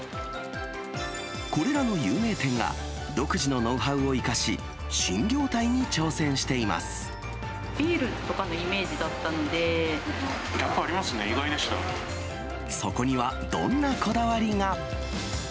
これらの有名店が、独自のノウハウを生かし、新業態に挑戦していビールとかのイメージだったギャップありますね、意外でそこには、どんなこだわりが。